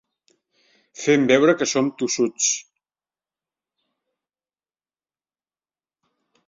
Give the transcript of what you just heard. Fem veure que som tossuts.